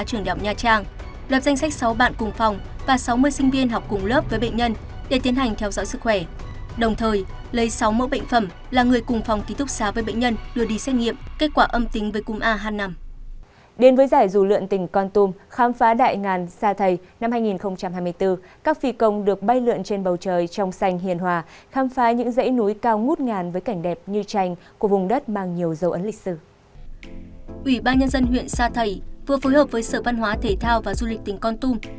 ủy ban nhân dân huyện sa thầy vừa phối hợp với sở văn hóa thể thao và du lịch tỉnh con tum